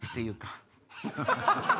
ハハハハ！